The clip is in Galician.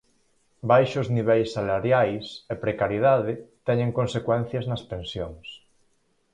Baixos niveis salariais e precariedade teñen consecuencias nas pensións.